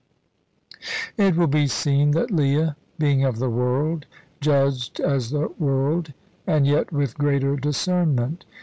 It will be seen that Leah, being of the world, judged as the world, and yet with greater discernment.